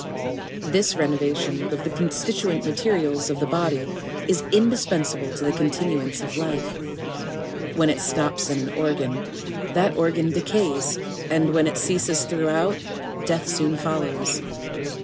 1 I. This renovation of the constitutent materials of the body is indispensable to the continuance of life: when it stops in an organ, that organ decays, and when it ceases throughout, death soon follows.